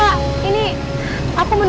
aku mau nikah sama jaka sekarang